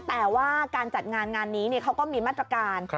แต่ว่าการจัดงานงานนี้เขาก็มีมาตรการ